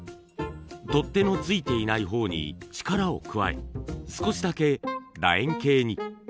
取っ手の付いていない方に力を加え少しだけ楕円形に。